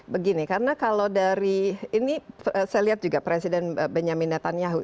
begini karena kalau dari ini saya lihat juga presiden benyamin netanyahu